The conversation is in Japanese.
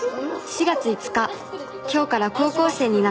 「４月５日今日から高校生になった」